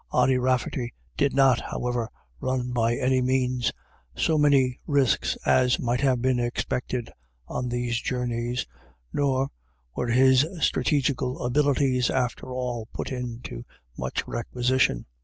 Ody Rafferty did not, however, run by any means so many risks as might have been expected on these journeys, nor were his strategical abilities, after all, put into much requisition.